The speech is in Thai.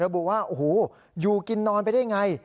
ระบุว่าโอ้โหอยู่กินนอนไปได้ไง